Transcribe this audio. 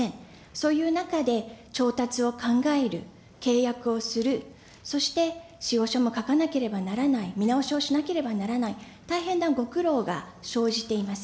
そういう中で調達を考える、契約をする、そして仕様書も書かなければならない、見直しをしなければならない、大変なご苦労が生じています。